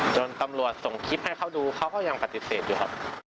จนตำรวจส่งคลิปให้เขาดูเขาก็ยังปฏิเสธอยู่ครับ